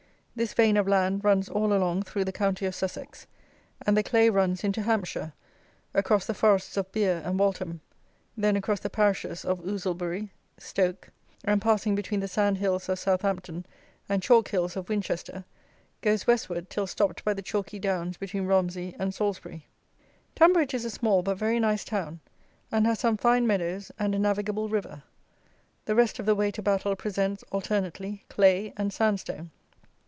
This vein of land runs all along through the county of Sussex, and the clay runs into Hampshire, across the forests of Bere and Waltham, then across the parishes of Ouslebury, Stoke, and passing between the sand hills of Southampton and chalk hills of Winchester, goes westward till stopped by the chalky downs between Romsey and Salisbury. Tunbridge is a small but very nice town, and has some fine meadows and a navigable river. The rest of the way to Battle presents, alternately, clay and sand stone.